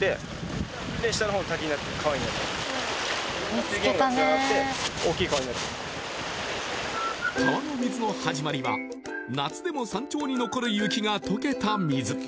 雪の近くで川の水の始まりは夏でも山頂に残る雪がとけた水